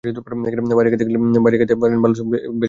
বাইরে খেতে পারেন ভালো সুপ, ভাপে সেদ্ধ সবজি, তাজা ফলের রস।